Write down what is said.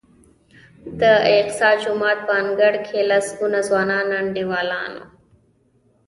د اقصی جومات په انګړ کې لسګونه ځوانان انډیوالان دي.